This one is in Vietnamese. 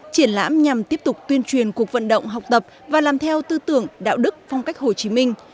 triển lãm nhằm tiếp tục tuyên truyền cuộc vận động học tập và làm theo tư tưởng đạo đức phong cách hồ chí minh